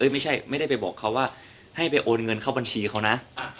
ไม่ได้ไปบอกเขาว่าให้ไปโอนเงินเข้าบัญชีเขานะ